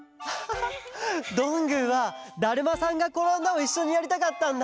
どんぐーは「だるまさんがころんだ」をいっしょにやりたかったんだ。